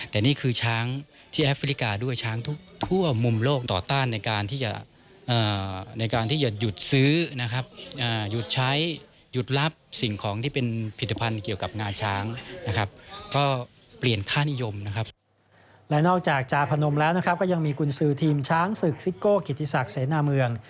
และนอกจากจาพนมแล้วนะครับก็ยังมีกุญสือทีมช้างศึกซิโก่กิจศักดิ์เสนามือง